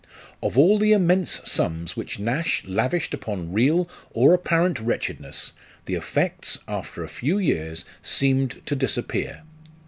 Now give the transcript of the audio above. Of all the immense sums which Nash lavished upon real or apparent wretchedness, the effects, after a few years seemed to disappear.